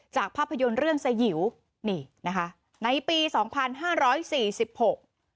ภาพยนตร์เรื่องสยิวนี่นะคะในปีสองพันห้าร้อยสี่สิบหก